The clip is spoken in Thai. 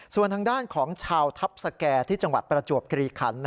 ส่วนทางด้านของชาวทัพสแก่ที่จังหวัดประจวบกรีคัน